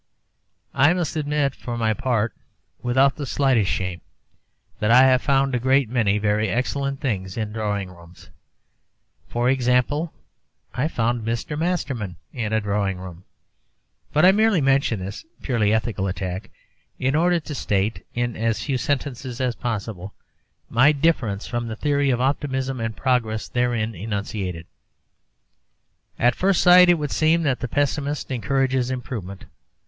I must admit, for my part, without the slightest shame, that I have found a great many very excellent things in drawing rooms. For example, I found Mr. Masterman in a drawing room. But I merely mention this purely ethical attack in order to state, in as few sentences as possible, my difference from the theory of optimism and progress therein enunciated. At first sight it would seem that the pessimist encourages improvement.